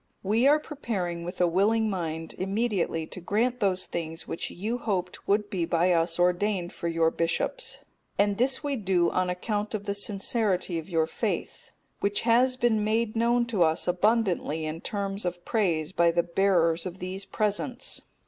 We are preparing with a willing mind immediately to grant those things which you hoped would be by us ordained for your bishops, and this we do on account of the sincerity of your faith, which has been made known to us abundantly in terms of praise by the bearers of these presents.